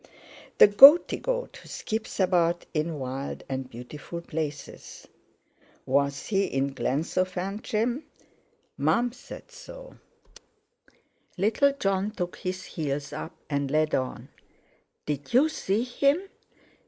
"The Goaty God who skips about in wild and beautiful places." "Was he in Glensofantrim?" "Mum said so." Little Jon took his heels up, and led on. "Did you see him?"